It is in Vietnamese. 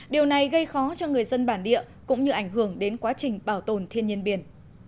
điều này gây khó cho người dân bản địa cũng như ảnh hưởng đến quá trình bảo tồn thiên nhiên biển